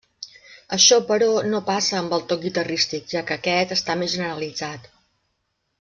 Això, però, no passa amb el toc guitarrístic, ja que aquest està més generalitzat.